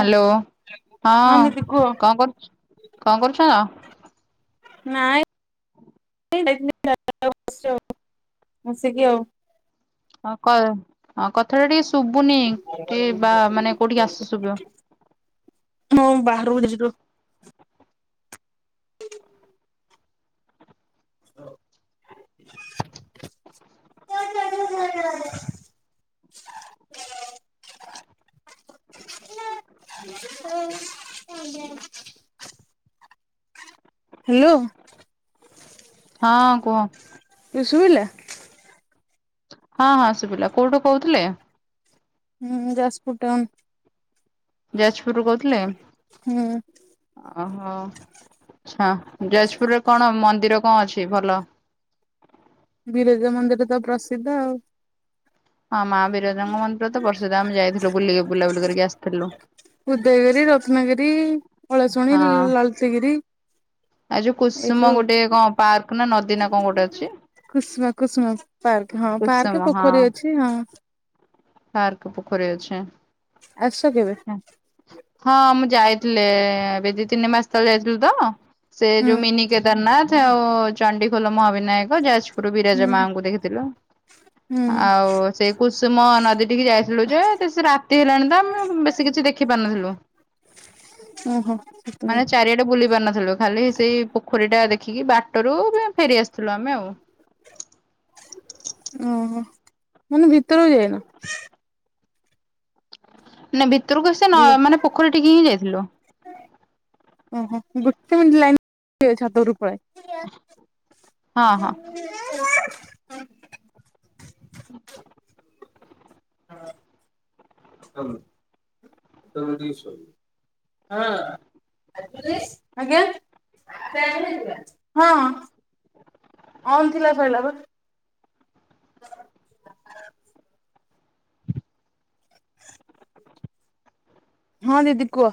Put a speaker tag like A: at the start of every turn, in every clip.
A: Hello ହଁ
B: ଦିଦି କୁହ
A: କଣ କରୁ କଣ କରୁଛ?
B: ନାଇଁ [unintelligible] ବସିକି ଆଉ।
A: ହଁଁ କଥାଟା ଟିକେ ଶୁଭୁନି ଟିକେ ବା ମାନେ କୋଉଠିକି ଆସ ଶୁଭିବ
B: ମୁଁ ବାହାରକୁ ତି ଜି [unintelligible] ହ୍ୟାଲୋ।
A: ହଁ କୁହ।
B: ଶୁଭିଲା
A: ହଁ ହଁ ଶୁବିଲା କୋଉଠୁ କହୁଥିଲେ?
B: ହୁଁ ଯାଜପୁର ଟାଉନ୍
A: ଯାଜପୁରରୁୁ କହୁଥିଲେ।
B: ହୁଁ
A: ଓହୋ ଆଛା ଯାଜପୁରରେ କଣ ମନ୍ଦିର କଣ ଅଛି ଭଲ?
B: ବିରଜା ମନ୍ଦିର ତ ପ୍ରସିଦ୍ଧ ଆଉ।
A: ହଁ ମା ବିରଜାଙ୍କ ମନ୍ଦିର ତ ପ୍ରସିଦ୍ଧ ଆମେ ଯାଇଥିଲୁ ବୁଲିକି ବୁଲାବୁଲି କରିକି ଆସିଥିଲୁ।
B: ଉଦୟଗିରି, ରତ୍ନଗିରି, ଅଳଶୁଣି, ଲଲିତଗିରି
A: ଆଉ ଯୋଉ କୁସୁମ ଗୋଟେ କଣ ପାର୍କ ନା ନଦୀ ନା କଣ ଗୋଟେ ଅଛି?
B: କୁସୁମା କୁସୁମା ପାର୍କ ହଁ
A: କୁସୁମ
B: ପାର୍କ ପୋଖରୀ ଅଛି ହଁ।
A: ହାର୍କ ପୋଖରୀ ଅଛି।
B: ଆସ କେବେ?
A: ହଁ ମୁଁ ଯାଇଥିଲି ଏବେ ଦି ତିନି ମାସ ତଳେ ଯାଇଥିଲୁ ତ? ସେ
B: ହୁଁ
A: ଯୋଉ ମିନି କେଦାରନାଥ ଆଉ ଚଣ୍ଡିଖୋଲ ମହାବିନାୟକ ଯାଜ ପରୁ
B: ହୁଁ
A: ବିରାଜା ମାଙ୍କୁ ଦେଖିଥିଲୁ
B: ହୁଁ ହୁଁ
A: ଆଉ ସେଇ କୁସୁମ ନଦୀ ଟିକେ ଯାଇଥିଲୁ ଯେ ସେ ରାତି ହେଲାଣି ତ ମୁ ବେଶୀ କିଛି ଦେଖ ଖି ପାରୁନଥିଲୁ।
B: ଓହୋ ତ
A: ସେଟା ବୁଲି ପାର ନଥିଲୁ ଖାଲି ସେଇ ପୋଖରୀ ଟା ଦେଖିକି ବାଟରୁ ଫେରି ଆସିଥିଲୁ ଆମେ ଆଉ।
B: ଓହୋ ମାନେ ଭିତରକୁ ଯାଇନ?
A: ନ ଭିତରକୁ ଆସି ନ
B: ହ୍ୟାଲୋ
A: ମାନେ ପୋଖରୀ ଟିକେ ହିଁ ଯାଇଥିଲୁ।
B: ଓହୋ ଗୋଟେ ମିନ୍ ଲାଇନ ଥିବେ ଛାତ ଉପରୁ ପଲାଏ।
A: ହଁ ହଁ।
B: [unintelligible] [inaudible] ହଁ [unintelligible] ଆଜ୍ଞା। [unintelligible] ହଁ ଅନ ଥିଲା କହିଲା ବା। ହଁ ଦିଦି କୁହ।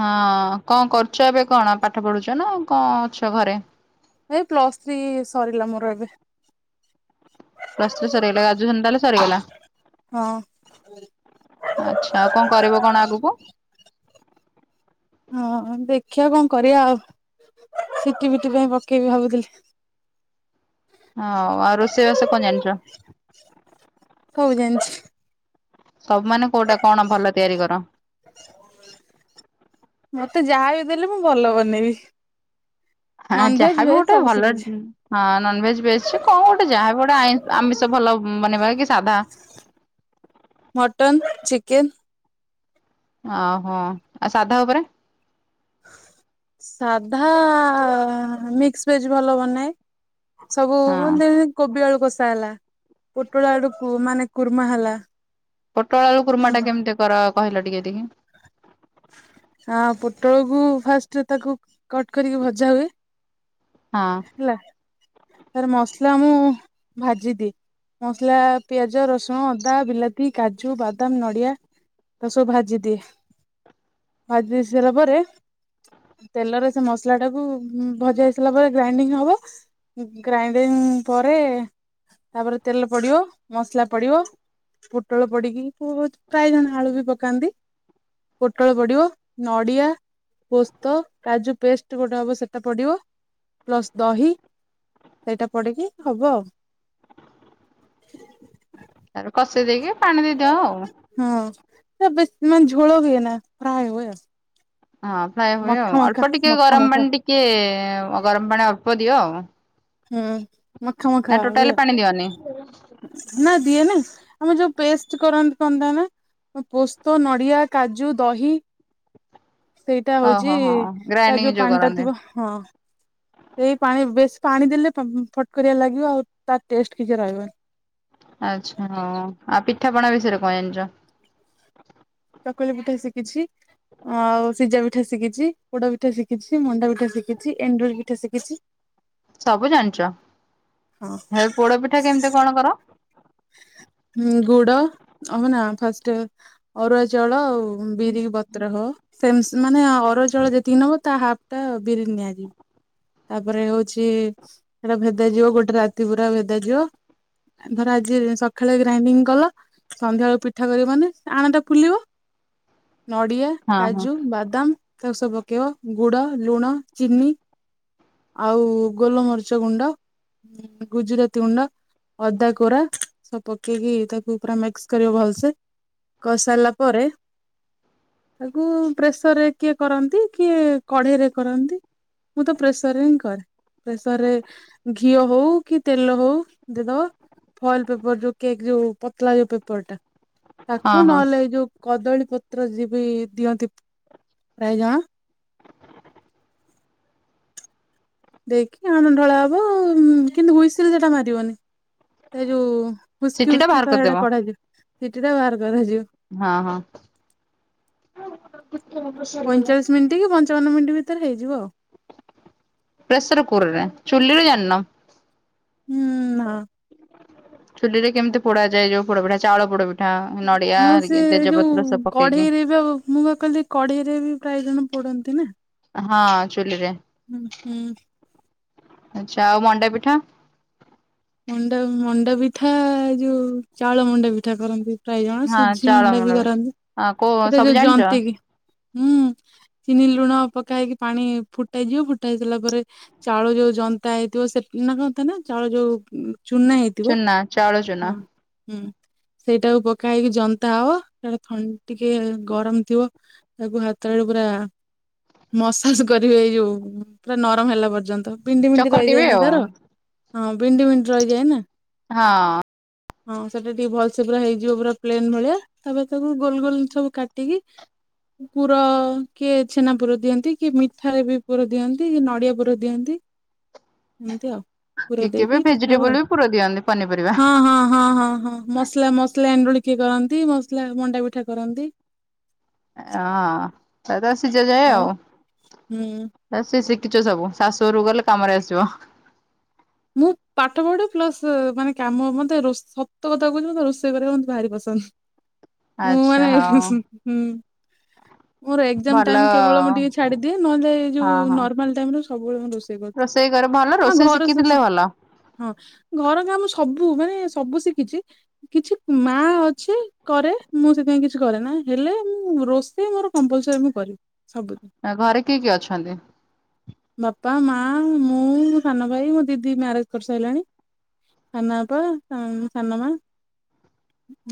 A: ହଁ କଣ କରୁଛ ଏବେ କଣ ପାଠ ପଢୁଛ ନା କଣ ଅଛ ଘରେ?
B: ଏ ପ୍ଲସ୍ ଥ୍ରୀ ସରିଲା ମୋର ଏବେ।
A: ପ୍ଲସ ଥ୍ରୀ ସରିଗଲା, ଗ୍ରାଜୁଏସନ୍ ତାହାଲେ ସରିଗଲା?
B: ହଁ।
A: ଆଚ୍ଛା, ଆଉ କଣ କରିବ କଣ ଆଗକୁ?
B: ହଁ ଦେଖିଆ କଣ କରିବା ଆଉ ସିଟି ଫିଟି ପାଇଁ ପକେଇବି ଭାବୁଥିଲି।
A: ହଁ, ଆଉ ରୋଷେଇବାସ କଣ ଜାଣିଛ?
B: ସବୁ ଜାଣିଛି।
A: ସବୁ ମାନ କୋଉଟା କଣ ଭଲ ତିଆରି କର
B: ମୋତେ ଯାହା ବି ଦେଲେ ମୁଁ ଭଲ ବନେଇବି।
A: ହଁ
B: ନନଭେଜ
A: ଯାହାବି
B: ଭେଜ
A: ଗୋଟେ
B: ସବୁ
A: ଭଲ
B: ଶିଖିଛି
A: ଉଁ, ହଁ ନନଭେଜ୍ ଭେଜ୍ସେ କଣ ଗୋଟେ ଯାହାବି ଗୋଟେ ଆଇଁ ଆମିଷ ଭଲ ଉଁ, ବନେଇବା କି ସାଧା?
B: ମଟନ୍, ଚିକେନ୍
A: ଆ, ହଁ, ଆଉ ସାଧା ଉପରେ?
B: ସାଧା ମିକ୍ସ ଭେଜ୍ ଭଲ ବନାଏ। ସବୁ ତା
A: ହଁ
B: ଦେହରେ କୋବି ଆଳୁ କଷା ହେଲା। ପୋଟଳ ଆଡକୁ ମାନେ କୁର୍ମା ହେଲା।
A: ପୋଟଳ ଆଳୁ କୁର୍ମା ଟା କେମିତି କର କହିଲ ଟିକେ ଦେଖି?
B: ହଁ ପୋଟଳକୁ ଫାଷ୍ଟରେ ତାକୁ କଟ୍ କରିକି ଭଜା ହୁଏ।
A: ହଁ।
B: ହେଲା। ତାର ମସଲା ମୁଁ ଭାଜି ଦିଏ। ମସଲା ପିଆଜ, ରସୁଣ, ଅଦା, ବିଲାତି, କାଜୁ, ବାଦାମ ନଡ଼ିଆ ତାକୁ ସବୁ ଭାଜି ଦିଏ। ଭାଜି ଦେଇ ସାରିଲା ପରେ ତେଲରେ ସେ ମସଲା ଟାକୁ ଉଁ, ଭଜା ହେଇ ସାରିଲା ପରେ ଗ୍ରାଇଣ୍ଡିଙ୍ଗ ହବ। ଗ୍ରାଇଣ୍ଡିଙ୍ଗ ପରେ ତାପରେ ତେଲ ପଡିବ, ମସଲା ପଡିବ। ପୋଟଳ ପଡିକି ପ- ପ୍ରାୟ ଜଣ ଆଳୁ ବି ପକାନ୍ତି। ପୋଟଳ ପଡିବ, ନଡିଆ‌ ପୋସ୍ତ, କାଜୁ ପେଷ୍ଟ ଗୋଟେ ହବ ସେଟା ପଡିବ। ପ୍ଲସ୍ ଦହି ସେଇଟା ପଡିକି ହବ ଆଉ।
A: ତାପରେ କଷି ଦେଇକି ପାଣି ଦେଇଦିଅ ଆଉ।
B: ହଁ ସେ ବେଶ ମାନେ ଝୋଳ ହୁଏ ନା। ଫ୍ରାଏ ହୁଏ ଆଉ।
A: ହଁ ଫ୍ରାଏ ହୁଏ ଆଉ। ଅଳ୍ପ ଟିକେ
B: ମଖା
A: ଗରମ
B: ମଖା
A: ପାଣି ଟିକେ ଗରମ ପାଣି ଅଳ୍ପ ଦିଅ ଆଉ।
B: ହୁଁ, ମାଖା
A: ନା
B: ମାଖା ହୁଏ।
A: ଟୋଟାଲି ପାଣି ଦିଅନି
B: ନା ଦିଏ ନା। ଆମେ ଯୋଉ ପେଷ୍ଟ କରନ୍ତି କଣ ତା ନାଁ? ହଁ ପୋସ୍ତ, ନଡ଼ିଆ, କାଜୁ, ଦହି ସେଇଟା
A: ଓହୋ
B: ହଉଛି
A: ହଁ
B: ତା ଯୋଉ
A: ଗ୍ରାଇଣ୍ଡିଙ୍ଗ
B: ପାଣି ଟା
A: କରନ୍ତି
B: ଥିବ ହଁ ସେଇ ପାଣି ବେଶ ପାଣି ଦେଲେ ଫ-ଫଟକରିଆ ଲାଗିବ, ଆଉ ତା ଟେଷ୍ଟ କିଛି ରହିବନି।
A: ଆଚ୍ଛା, ହଁ, ଆଉ ପିଠାପଣା ବିଷୟରେ କଣ ଜଣିଛ?
B: ଚକୁଳି ପିଠା ଶିଖିଛି। ଆଉ ସିଜା ପିଠା ଶିଖିଛି। ପୋଡ ପିଠା ଶିଖିଛି। ମଣ୍ଡା ପଠା ଶିକିଛି। ଏଣ୍ଡୁରି ପିଠା ଶିଖିଛି।
A: ସବୁ ଜାଣିଚ।
B: ହଁ
A: ହେ ପୋଡପିଠା କେମିତି କଣ କର?
B: ହୁଁ, ଗୁଡ ଅହ ନା ଫାଷ୍ଟ ଅରୁଆ ଚାଉଳ ଆଉ ଉଁ, ବିରିକି ବତ୍ରା ହବ। ସେମ୍ ମାନେ ଅରୁଆ ଚାଉଳ ଯେତିକି ନବ ତା ହାଫ୍ ଟା ବିରି ନିଆଯିବ। ତାପରେ ହଉଛି ସେଟା ଭେଦା ଯିବ, ଗୋଟେ ରାତି ପୁରା ଭେଦା ଯିବ। ଧର ଆଜି ସଖାଳେ ଗ୍ରାଇଣ୍ଡିଙ୍ଗ କଲ ସନ୍ଧ୍ୟା ବେଳୁ ପିଠା କରିବ ମାନେ ଆଣଟା ଫୁଲିବ, ନଡିଆ
A: ହଁ ହଁ
B: କାଜୁ, ବାଦାମ ଚାକୁ ସବୁ ପକେଇବ। ଗୁଡ, ଲୁଣ, ଚିନି ଆଉ ଗୋଲମରିଚ ଗୁଣ୍ଡ, ଗୁଜୁରାତି ଗୁଣ୍ଡ ଅଦା କୋରା ସବୁ ପକେଇକି ତାକୁ ପୁରା ମିକ୍ସ କରିବ ଭଲସେ। କରସାଇଲା ପରେ ତାକୁ ପ୍ରେସର ରେ କିଏ କରନ୍ତି କିଏ କଢେଇରେ କରନ୍ତି। ମୁଁ ତ ପ୍ରେସର ହିଁ କରେ। ପ୍ରେସରରେ ଘିଅ ହଉ କି ତେଲ ହଉ ଦେଦବ। ଫଏଲ ପେପର ଯୋଉ କେକ୍ ଯୋଉ ପତଲା ଯୋଉ ପେପର ଟା
A: ହଁ
B: ତାକୁ
A: ହଁ
B: ନହେଲେ ଏଇ ଯୋଉ କଦଳୀପତ୍ର ଯି ବିି ଦିଅନ୍ତି ପ୍ରାୟ ଜଣ। ଦେଇକି ଆଣ ଢଳା ହବ ଉଁ କିନ୍ତୁ ହୁଇସିଲ ସେଟା ମାରିବନି ସେ ଯୋଉ।
A: ସିଟି
B: ହୁସ୍କି
A: ଟା
B: ହୁସ୍କି
A: ବାହାର
B: ତ
A: କରିଦେବ।
B: ସେଟା କଢାଯିବ ସିଟି ଟା ବାହାର କରାଯିବ।
A: ହଁ ହଁ।
B: ପଇଁଚାଳିଶ ମିନିଟ କି ପଞ୍ଚାବନ ମିନିଟ ଭିତରେ ହେଇଯିବ ଆଉ।
A: ପ୍ରେସର କୁରରେ ଚୁଲିରେ ଜାଣି ନ।
B: ହୁଁ ନା।
A: ଚୁଲିରେ କେମିତି ପୋଡ଼ାଯାଏ ଯଉ ପୋଡ ପିଠା ଚାଉଳ ପୋଡ ପି
B: ହଁ ସେ ଏଇ ଯୋଉ
A: ପକେଇକି
B: କଢେଇରେ ବା ମୁଁ ବା କହିଲି କଢେଇରେ ବି ପ୍ରାୟ ଜଣ ପୋଡନ୍ତି ନା।
A: ହଁ ଚୁଲିରେ।
B: ହୁଁ ହୁଁ।
A: ଆଚ୍ଛା ଆଉ ମଣ୍ଡା ପିଠା।
B: ମଣ୍ଡା ମଣ୍ଡା ପିଠା ଯୋଉ ଚାଉଳ ମଣ୍ଡା ପିଠା କରନ୍ତି। ପ୍ରାୟେ ଜଣ
A: ହଁ
B: ସୁଜି
A: ଚାଉଳ
B: ମଣ୍ଡା ବି
A: ପିଠା।
B: କରନ୍ତି
A: ହଁ କୋଉ
B: ସେଟା
A: ସବୁ
B: ଯୋଉ
A: ଜାଣିଛ
B: ଜନ୍ତିକିି ହୁଁ ଚିନି ଲୁଣ ପକା ହେଇକି ପାଣି ଫୁଟାଯିବ ଫୁଟା ହେଇସାରିଲା ପରେ ଚାଉଳ ଯୋଉ ଜନ୍ତା ହେଇଥିବ ସେ ନା କଥା ନା ଚାଉଳ ଯୋଉ ଉଁ ଚୁନା ହେଇଥିବ
A: ଚୁନା ଚାଉଳ ଚୁନା
B: ହଁ। ହୁଁ ସେଇଟାକୁ ପକା ହେଇକି ଜନ୍ତା ହବ ସେଟା ଥଣ୍ଡ ଟିକେ ଗରମ ଥିବ। ତାକୁ ହାତରେ ପୁରା। ମସାଜ କରିବି ଏଇ ଯୋଉ ପୁରା ନରମ ହେଲା ପର୍ଯ୍ୟନ୍ତ ବିଣ୍ଡି ବିଣ୍ଡି
A: ଚକଟିବେ
B: ରହିଯାଏ ନା
A: ଆଉ।
B: ତାର। ହଁ ବିଣ୍ଡି ବିଣ୍ଡି ରହିଯାଏ ନା।
A: ହଁ।
B: ହଁ ସେଇଟା ଟିକେ ଭଲସେ ପୁରା ହେଇଯିବ ପୁରା ପ୍ଲେନ୍ ଭଳିଆ। ତାପରେ ତାକୁ ଗୋଲ ଗୋଲ ସବୁ କାଟିକି। ପୁର କିଏ ଛେନା ପୁର ଦିଅନ୍ତି କିଏ ମିଠାରେ ବି ପୁର ଦିଅନ୍ତି କି ନଡିଆ ପୁର ଦିଅନ୍ତି। ଏମିତି ଆଉ। ପୁର
A: କିଏ କିଏ
B: ଦେଇକି
A: ବି
B: ପିଠା ହବ
A: ଭେଜିଟେବୁଲ ବି ପୁର ଦିଅନ୍ତି ପନିପରିବା।
B: ହଁ ହଁ ହଁ ହଁ ହଁ ମସଲା ମସଲା ଏଣ୍ଡୁଳି କିଏ କରନ୍ତି ମସଲା ମଣ୍ଡା ପିଠା କରନ୍ତି।
A: ହଁ ତାପରେ ସିଜା ଯାଏ ଆଉ।
B: ହୁଁ
A: ଆ ସେ ଶିଖିଛ ସବୁ ଶାଶୁ ଘରୁକୁ ଗଲେ କାମରେ ଆସିବ।
B: ମୁଁ ପାଠ ପଢେ ପ୍ଲସ ମାନେ କାମ ମତେ ରୋଷ ସତ କଥା କହୁଛି ମତେ ରୋଷେଇ କରିବାକୁ ମତେ ଭାରି ପସନ୍ଦ। ମୁଁ
A: ଆଚ୍ଛା
B: ମାନେ ହୁଁ
A: ହଉ
B: ହୁଁ ହୁଁ। ମୋର ଏକ୍ଜାମ
A: ଭଲ
B: ଟାଇମ୍ କେବଳ ମୁଁ ଟିକେ ଛାଡ଼ିଦିଏ ନହେଲେ ଏ ଯୋଉ
A: ହଁ ହଁ
B: ନର୍ମାଲ ଟାଇମ ରେ ସବୁବେଳେ ମୁଁ ରୋଷେଇ କର
A: ରୋଷେଇ ଘରେ ଭଲ ରୋଷେଇ ଶିଖିଥିଲେ। ଭଲ
B: ହଁ ଘର କାମ ସବୁ ମାନେ ସବୁ ଶିଖିଛି। କିଛି ମା ଅଛି କରେ ମୁଁ ସେଥିପାଇଁ କିଛି କରେନା ହେଲେ ମୁଁ ରୋଷେଇ ମୋର କମ୍ପଲସରୀ ମୁଁ କରିବି ସବୁଦିନ।
A: ନା ଘରେ କିଏ କିଏ ଅଛନ୍ତି?
B: ବାପା ମା ମୁଁ ସାନ ଭାଇ ମୋ ଦିଦି ମ୍ୟାରେଜ କରିସାରିଲାଣି। ସାନ ବାପା ସାନ ସାନ ମା।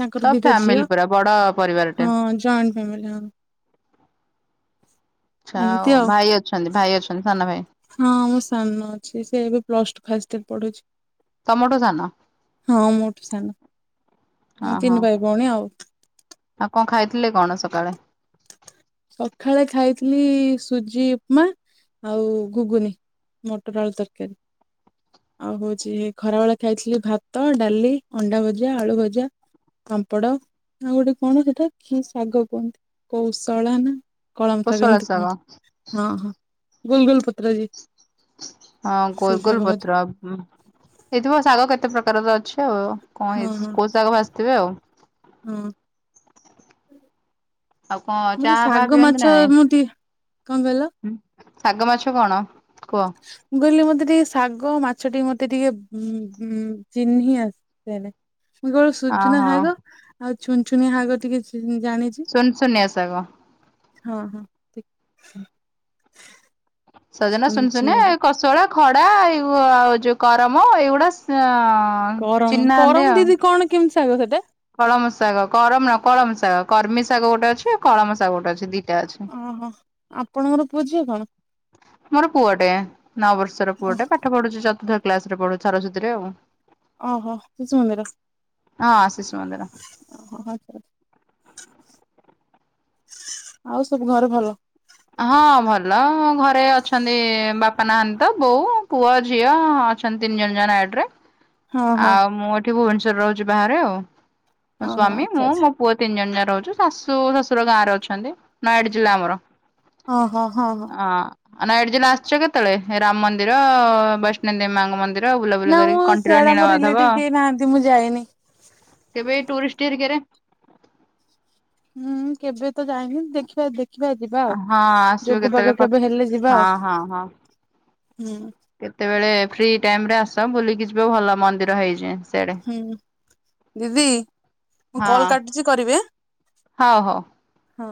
B: ତାଙ୍କର
A: ସବ
B: ଦିଟା
A: ଫ୍ୟାମିଲି
B: ଝିଅ
A: ପୁରା ବଡ ପରିବାରଟେ।
B: ହଁ ଜଏଣ୍ଟ ଫ୍ୟାମିଲି ହଁ।
A: ଆଚ୍ଛା ଆଉ ଭାଇ ଅଛନ୍ତି ଭାଇ ଅଛନ୍ତି ସାନ ଭାଇ।
B: ହଁ ମୋ ସାନ ଅଛି ସେ ଏବେ ପ୍ଲସ ଟୁ ଫାର୍ଷ୍ଟ ଇୟର ପଢୁଛି।
A: ତମଠୁ ସାନ?
B: ହଁ ମୋଠୁ ସାନ। ଆମେ
A: ଓହୋ
B: ତିନି ଭାଇ ଭଉଣୀ ଆଉ।
A: ଆଉ କଣ ଖାଇଥିଲେ କଣ ସକାଳେ?
B: ସଖାଳେ ଖାଇଥିଲି ସୁଜି ଉପମା ଆଉ ଘୁଗୁନି। ମଟର ଆଳୁ ତରକାରୀ। ଆଉ ହଉଛି ଖରାବେଳେ ଖାଇଥିଲି ଭାତ ଡାଲି ଅଣ୍ଡା ଭଜା ଆଳୁ ଭଜା। ପାମ୍ପଡ଼ ଆଉ ଗୋଟେ କଣ ହେଟା କି ଶାଗ କୁହନ୍ତି କୌଶ ତଳା ନା କଳାମ ଶାଗ ଏମିତି କୁହନ୍ତି ହଁ ହଁ ଗୋଲ ଗୋଲ ପତ୍ର ଯେ
A: ହଁ ଗୋଲ
B: ସେଇ
A: ଗୋଲ
B: ଶାଗ ଭଜା
A: ପତ୍ର ହେଇଥିବ ଶାଗ କେତେ ପ୍ରକାରର ତ ଅଛି ଆଉ। କଣ ହେଇଛି କୋଉ ଶାଗ ଭାଯିଥିବେ ଆଉ।
B: ହୁଁ।
A: ଆଉ କଣ
B: ମୋତେ
A: ଚାହା ଫାହା
B: ଶାଗ
A: ପିଅନ୍ତି ନା
B: ମାଛ
A: ନାଇଁ?
B: ମୁଁ ଟିକେ କଣ କହିଲ?
A: ହୁଁ ଶାଗ ମାଛ କଣ କୁହ?
B: ମୁଁ କହିଲି ମତେ ଟିକେ ଶାଗ ମାଛ ଟିକେ ମତେ ଟିକେ ହଁ ହଁ ଚିହ୍ନି ଆସେନି। ମୁଁ କେବଳ ସୂଜନା
A: ଅହୋ
B: ଶାଗ ଆଉ ଛୁନ ଛୁନିଆ ହାଗ ଟିକେ ଜାଣିଛି।
A: ସୁନ ସୁନିଆ ଶାଗ।
B: ହଁ ହଁ ଠିକ୍ ହଁ।
A: ସଜନା ସୁନ
B: ଛୁନଛୁନି
A: ସୁନିଆ ଏ
B: ଶାଗ
A: କୋଷୋଳା। ଖଡା ଏଇ ଆଉ ଯୋଉ କରମ ଏଇଗୁଡ଼ା ସ
B: କରମ କରମ ଦିଦି କଣ କେମିତି ଶାଗ ସେଇଟା?
A: କଳମ ଶାଗ କରମ ନୁହଁ କଳମ ଶାଗ କର୍ମି ଶାଗ ଗୋଟେ ଅଛି ଆଉ କଳମ ଶାଗ ଗୋଟେ ଅଛି ଦିଟା ଅଛି।
B: ଓହୋ ଆପଣଙ୍କର ପୁଅଝିଅ କଣ?
A: ମୋର ପୁଅ ଟେ ନଅ ବର୍ଷର ପୁଅ ଟେ ପାଠ ପଢ଼ୁଛି ଚତୁର୍ଥ କ୍ଲାସ ରେ ପଢ଼ୁଛି ସରସ୍ବତୀ ରେ ଆଉ।
B: ଓହୋ ଶିଶୁ ମନ୍ଦିର
A: ହଁ ଶିଶୁ ମନ୍ଦିର।
B: ଆଉ ସବୁ ଘରେ ଭଲ?
A: ହଁ ଭଲ ଘରେ ଅଛନ୍ତି ବାପା ନାହାନ୍ତି ତ ବୋଉ ପୁଅ ଝିଅ [unintelligible]
B: ହଁ ହଁ
A: ଆଉ ମୁଁ ଏଠି ଭୁବନେସ୍ଵରରେ ରହୁଛି ବାହାରେ ଆଉ ମୋ
B: ହଁ ହଁ
A: ସ୍ଵାମୀ
B: ଆଚ୍ଛା
A: ମୁଁ
B: ଆଚ୍ଛା
A: ମୋ ପୁଅ ତିନି ଜଣ ଯା ରହୁଛୁ ଶାଶୁ ଶଶୁର ଗାଁରେ ଅଛନ୍ତି ନୟାଗଡ ଜିଲ୍ଲା ଆମର।
B: ହଁ ହଁ ହଁ ହଁ।
A: ହଁ ନୟାଗଡ଼ ଜିଲା ଆସିଛ କେତେବେଳେ ରାମ ମନ୍ଦିର ବୈଷ୍ଣ ଦେବୀ ମାଙ୍କ ମନ୍ଦିର। ର ବୁଲାବୁଲି କରି
B: ସେଆଡ଼େ ଆମ ରିଲେଟିଭ କେହି ନାହାନ୍ତି ମୁଁ ଯାଏନି।
A: କେବେ ଏଇ ଟୁରିଷ୍ଟ ହେରୀକାରେ
B: ହୁଁ କେବେ ତ ଯାଇନି ଦେଖିବା ଦେଖ ଖିବା ଯିବା ଆଉ
A: ହଁ ଆସିବ
B: ଯୋଗ
A: କେତେବେଳେ
B: ବାଗ
A: ଫ
B: କେବେ ହେଲେ ଯିବା ଆଉ
A: ହଁ ହଁ ହଁ
B: ହୁଁ।
A: କେତେବେଳେ ଫ୍ରି ଟାଇମ୍ ରେ ଆସ ବୁଲିକି ଯିବ ଭଲ ମନ୍ଦିର ହେଇଛି। ସିଆଡେ।
B: ହୁଁ ଦିଦି ମୁଁ
A: ହଁ
B: କଲ କାଟୁ ଛି କରିବି ଆଁ।
A: ହଉ ହଉ।
B: ହଁ।